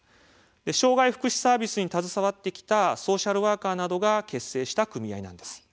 障害福祉サービスに携わってきたソーシャルワーカーなどが結成した組合なんです。